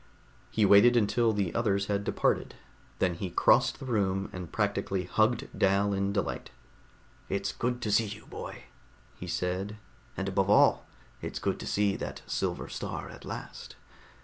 He waited until the others had departed. Then he crossed the room and practically hugged Dal in delight. "It's good to see you, boy," he said, "and above all, it's good to see that silver star at last.